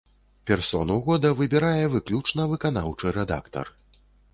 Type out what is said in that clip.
Персону года выбірае выключна выканаўчы рэдактар.